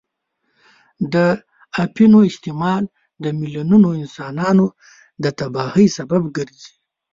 د اپینو استعمال د میلیونونو انسانان د تباهۍ سبب ګرځي.